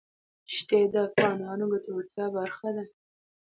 ښتې د افغانانو د ګټورتیا برخه ده.